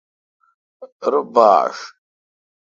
رو باݭ